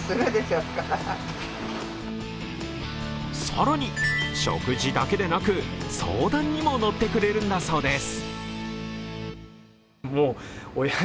更に、食事だけでなく、相談にも乗ってくれるんだそうです。